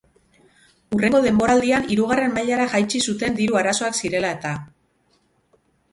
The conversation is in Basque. Hurrengo denboraldian hirugarren mailara jaitsi zuten diru arazoak zirela eta.